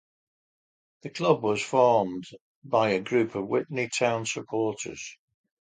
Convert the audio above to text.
The club was formed by a group of Witney Town supporters.